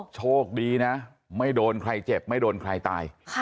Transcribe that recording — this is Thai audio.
โชคดีนะไม่โดนใครเจ็บไม่โดนใครตาย